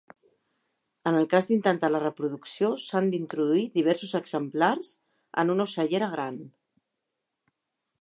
En el cas d'intentar la reproducció s'han d'introduir diversos exemplars en una ocellera gran.